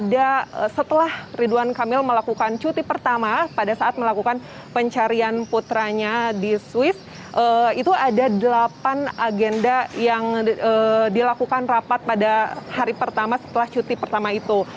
pada setelah ridwan kamil melakukan cuti pertama pada saat melakukan pencarian putranya di swiss itu ada delapan agenda yang dilakukan rapat pada hari pertama setelah cuti pertama itu